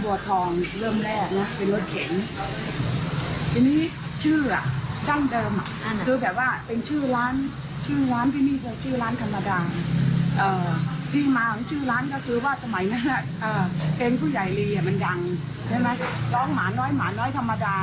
เอ่อเป็นผู้ใหญ่ลีเหมือนกันร้องหมาน้อยหมาน้อยธรรมดา